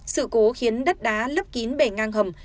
sự cố khiến đất đá lấp kín bể ngang hầm